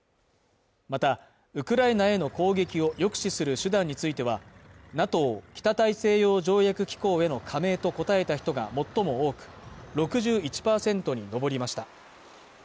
またウクライナへの攻撃を抑止する手段についてはＮＡＴＯ＝北大西洋条約機構への加盟と答えた人が最も多く６１％に上りました